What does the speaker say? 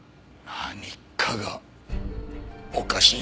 何かがおかしいのよ。